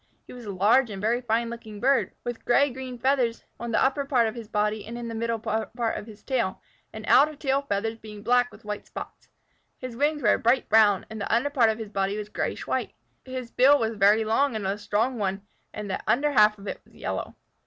He was a large and very fine looking bird, with green gray feathers on the upper part of his body and in the middle of his tail, the outer tail feathers being black with white spots. His wings were a bright brown, and the under part of his body was grayish white. His bill was a very long and strong one, and the under half of it was yellow.